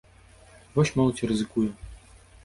Вось моладзь і рызыкуе.